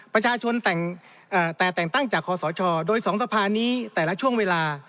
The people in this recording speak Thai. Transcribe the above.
ประชาชนแต่แต่งตั้งจากคอสชโดย๒สภานี้แต่ละช่วงเวลา